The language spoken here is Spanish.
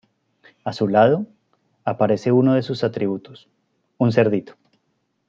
A su lado, aparece uno de sus atributos: un cerdito.